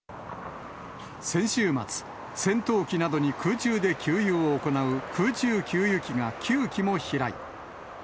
先週末、戦闘機などに空中で給油を行う空中給油機が９機も飛来。